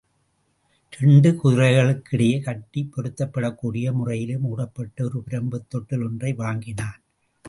இரண்டு குதிரைகளுக்கிடையே கட்டிப் பொருத்தப்படக்கூடிய முறையிலே மூடப்பட்ட ஒரு பிரம்புத் தொட்டில் ஒன்றை வாங்கினான்.